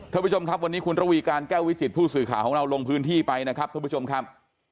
ท่านผู้ชมครับวันนี้คุณระวีการแก้ววิจิตผู้สื่อข่าวของเราลงพื้นที่ไปนะครับท่านผู้ชมครับ